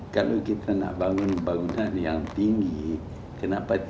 kalau kita mau bangun bangunan yang tinggi kenapa tinggi